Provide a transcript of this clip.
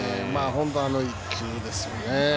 本当にあの１球ですよね。